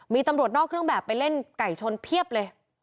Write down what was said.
มีตำรวจนอกเครื่องแบบไปเล่นไก่ชนเพียบเลย